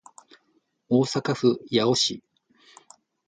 大阪府八尾市